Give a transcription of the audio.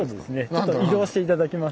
ちょっと移動して頂きます。